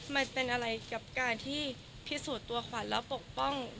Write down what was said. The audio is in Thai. มันเป็นอะไรกับการที่พิสูจน์ตัวขวัญแล้วปกป้อง